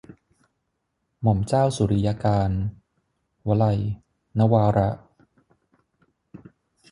หม่อมเจ้าสุริยกานต์ - วลัย นวาระ